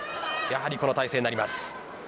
やはりこの体勢になります。